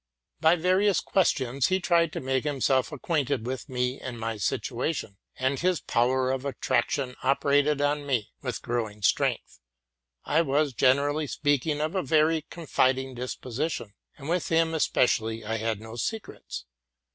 By various questions he tried to make himself acquainted with me and my situation, and his power of attrac tion operated on me with growing strength. I was, generally speaking, of a very confiding disposition ; and with him espe cially I had no secrets.